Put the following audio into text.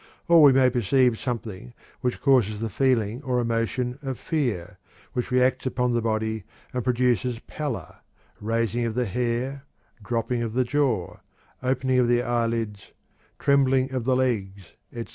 Or we may perceive something which causes the feeling or emotion of fear, which reacts upon the body and produces pallor, raising of the hair, dropping of the jaw, opening of the eyelids, trembling of the legs, etc.